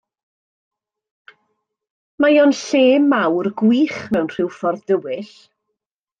Mae o'n lle mawr gwych mewn rhyw ffordd dywyll.